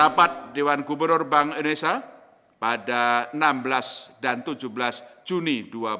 rapat dewan gubernur bank indonesia pada enam belas dan tujuh belas juni dua ribu dua puluh